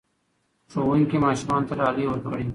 ښوونکي ماشومانو ته ډالۍ ورکړې.